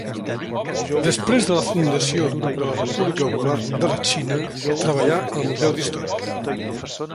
Després de la fundació de la República Popular de la Xina treballà al Museu d’Història.